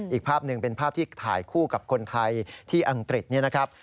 อีกภาพหนึ่งเป็นภาพที่ถ่ายคู่กับคนไทยที่อังกฤษเนี่ยนะครับ